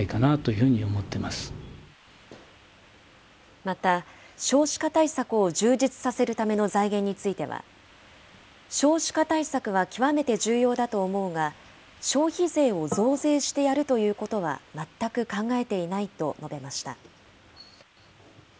また、少子化対策を充実させるための財源については、少子化対策は極めて重要だと思うが、消費税を増税してやるということは全く考えていないと述べました。